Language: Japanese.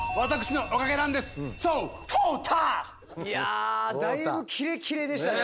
いやだいぶキレキレでしたね。